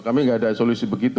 kami nggak ada solusi begitu